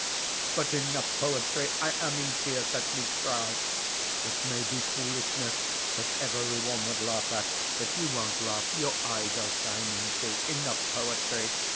But enough poetry! I am in tears; let me cry. It may be foolishness that every one would laugh at. But you won't laugh. Your eyes are shining, too. Enough poetry.